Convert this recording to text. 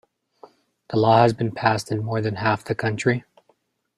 The law has been passed in more than half the country.